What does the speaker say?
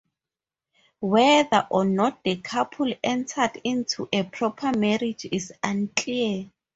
Whether or not the couple entered into a proper marriage is unclear.